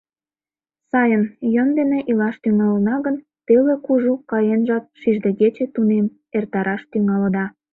Сайын, йӧн дене илаш тӱҥалына гын, теле кужу каенжат шиждегече тунем эртараш тӱҥалыда.